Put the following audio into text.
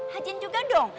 hajin juga dong